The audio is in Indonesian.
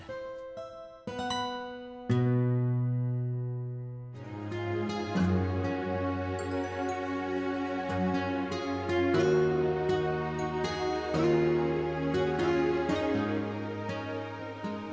akang pengganti orang tua